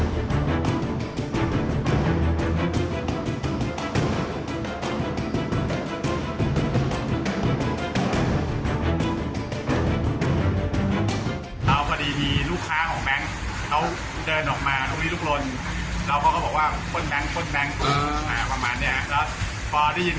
เขาเจอมานี่ลูกรนเราต้องแบบว่าคนนั้นปลดนั้นอ่าประมาณนี้แล้วพอได้ยิน